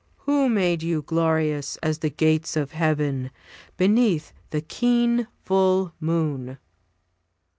Who made you glorious as the gates of heaven Beneath the keen full moon?